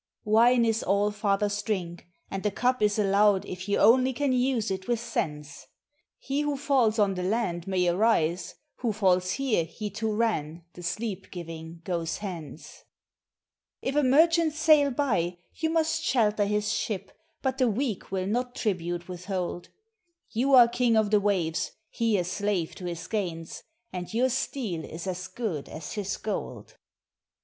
"Wine is Allfather's drink, and the cup is allowed if you only can use it with sense; He who falls on the land may arise, who falls here he to Ran, the sleep giving, goes hence. "If a merchant sail by, you must shelter his ship, but the weak will not tribute withhold; You are king of the waves, he a slave to his gains; and your steel is as good as his gold.